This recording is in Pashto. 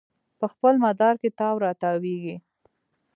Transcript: په خپل مدار کې تاو راتاویږي